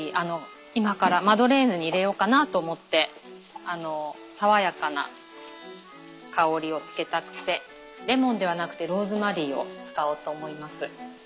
今からマドレーヌに入れようかなと思って爽やかな香りをつけたくてレモンではなくてローズマリーを使おうと思います。